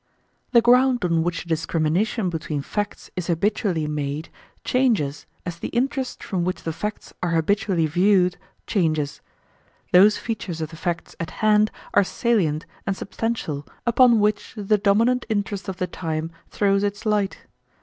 The ground on which a discrimination between facts is habitually made changes as the interest from which the facts are habitually viewed changes. Those features of the facts at hand are salient and substantial upon which the dominant interest of the time throws its light.